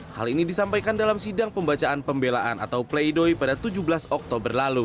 hal ini disampaikan dalam sidang pembacaan pembelaan atau play doi pada tujuh belas oktober lalu